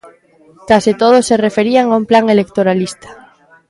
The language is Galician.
Case todos se referían a un plan electoralista.